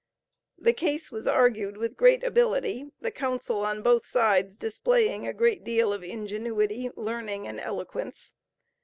The case was argued with great ability, the counsel on both sides displaying a great deal of ingenuity, learning and eloquence.